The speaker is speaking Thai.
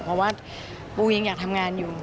เพราะว่าปูยังอยากทำงานอยู่